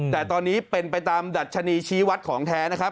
แต่ตอนนี้เป็นไปตามดัชนีชี้วัดของแท้นะครับ